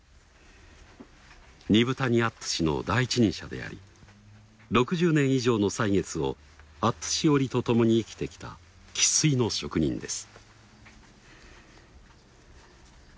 二風谷アットゥシの第一人者であり６０年以上の歳月をアットゥシ織りとともに生きてきた生粋の職人です。